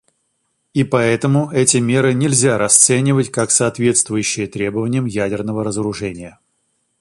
И поэтому эти меры нельзя расценивать как соответствующие требованиям ядерного разоружения.